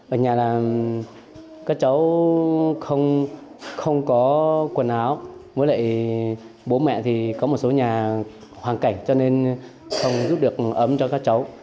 ở nhà là các cháu không có quần áo với lại bố mẹ thì có một số nhà hoàn cảnh cho nên không giúp được ấm cho các cháu